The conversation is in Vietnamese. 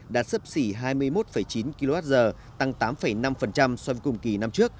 đã sấp xỉ hai mươi một chín kwh tăng tám năm so với cùng kỳ năm trước